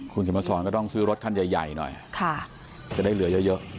คุณธิมาศรก็ต้องซื้อรถขั้นใหญ่หน่อยค่ะจะได้เหลือเยอะ